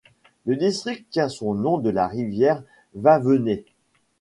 Le district tient son nom de la rivière Waveney.